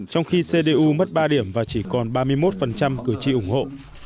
trong khi cdu mất ba điểm và chỉ còn ba mươi một cử tri ủng hộ